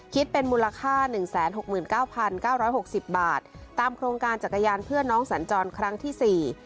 คิดเป็นมูลค่า๑๖๙๙๖๐บาทตามโครงการจักรยานเพื่อนน้องสัญจรครั้งที่สี่